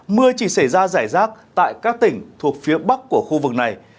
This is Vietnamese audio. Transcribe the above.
mưa chỉ xảy ra giải rác tại các tỉnh thuộc phía bắc của khu vực này